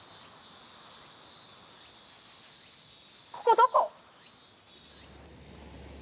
ここどこ？